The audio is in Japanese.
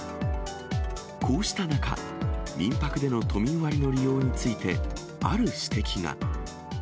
こうした中、民泊での都民割の利用について、ある指摘が。